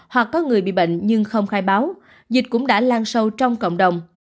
hoặc có người bị bệnh nhưng không khai báo dịch cũng đã lan sâu trong cộng đồng